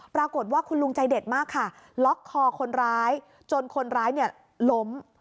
ปรากฏว่าคุณลุงใจเด็ดมากค่ะล็อกคอคนร้ายจนคนร้ายเนี่ยล้ม